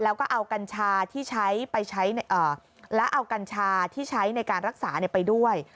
แล้วก็เอากัญชาที่ใช้ในการรักษาไปด้วย